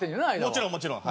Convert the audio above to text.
もちろんもちろん。